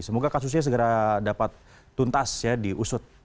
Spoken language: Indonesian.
semoga kasusnya segera dapat tuntas ya diusut